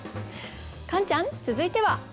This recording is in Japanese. カンちゃん続いては。